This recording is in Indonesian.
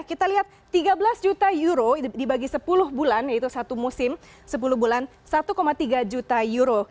kita lihat tiga belas juta euro dibagi sepuluh bulan yaitu satu musim sepuluh bulan satu tiga juta euro